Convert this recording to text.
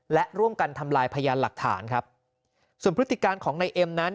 และร่วมกันทำลายพยานหลักฐานครับส่วนพฤติการของนายเอ็มนั้น